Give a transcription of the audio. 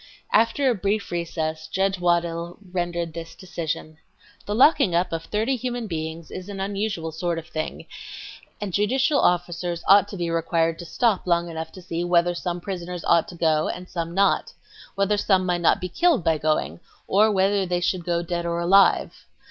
After a brief recess, Judge Waddill rendered this decision: "The locking up of thirty human beings is an unusual sort of thing and judicial officers ought to be required to stop long enough to see whether some prisoners ought to go and some not; whether some might not be killed by going; or whether they should go dead or alive.